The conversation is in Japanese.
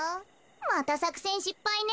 またさくせんしっぱいね。